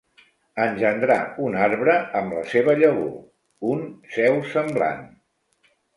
Engendrar un arbre, amb la seva llavor, un seu semblant.